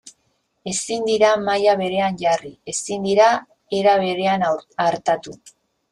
Ezin dira maila berean jarri, ezin dira era berean artatu.